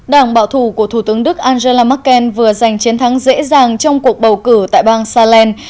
đảng bạo thù của thủ tướng đức angela merkel vừa giành chiến thắng dễ dàng trong cuộc bầu cử tại bang salem